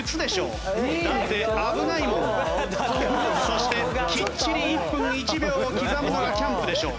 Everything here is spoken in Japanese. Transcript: そしてきっちり１分１秒を刻むのがキャンプでしょ。